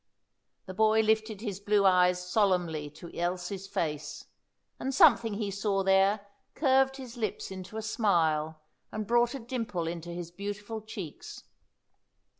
The boy lifted his blue eyes solemnly to Elsie's face, and something he saw there curved his lips into a smile and brought a dimple into his beautiful cheeks.